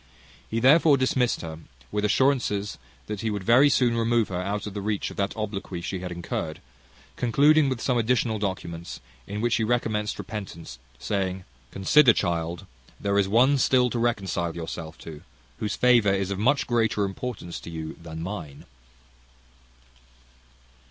He therefore dismissed her with assurances that he would very soon remove her out of the reach of that obloquy she had incurred; concluding with some additional documents, in which he recommended repentance, saying, "Consider, child, there is one still to reconcile yourself to, whose favour is of much greater importance to you than mine."